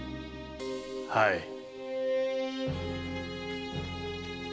はい。